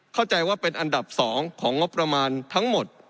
เข้าใจว่าเป็นอันดับ๒ของงบประมาณทั้งหมด